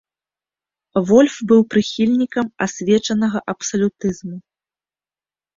Вольф быў прыхільнікам асвечанага абсалютызму.